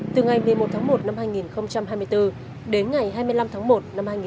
từ ngày một mươi một tháng một năm hai nghìn hai mươi bốn đến ngày hai mươi năm tháng một năm hai nghìn hai mươi bốn